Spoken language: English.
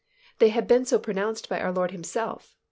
They had been so pronounced by our Lord Himself.